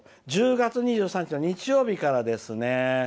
１０月２３日の日曜日からですね。